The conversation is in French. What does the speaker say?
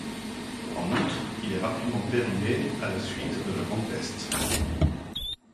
En outre, il est rapidement périmé à la suite de la Grande Peste.